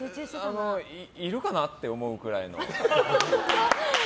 いるかなって思うくらいの。